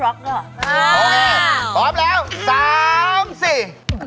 โอเคค่ะพร้อมแล้วสามสี่